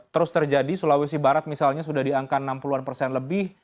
terus terjadi sulawesi barat misalnya sudah di angka enam puluh an persen lebih